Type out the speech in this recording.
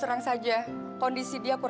tuhan memiliki semua ketidaksitipan